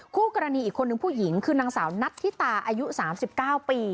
คู่กรณีอีกคนนึงผู้หญิงคือนางสาวนัทธิตาอายุ๓๙ปี